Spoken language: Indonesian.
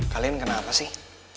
kalian kenapa sih